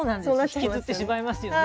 引きずってしまいますよね。